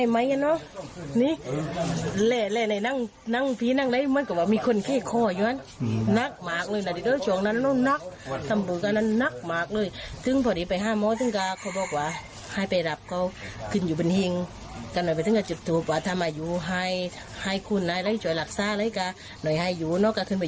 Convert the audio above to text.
มันก็ว่าเบาไปเลยนี่เตรียมข้อนั้น